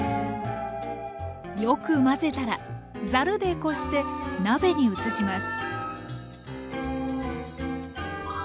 よく混ぜたらざるでこして鍋に移します。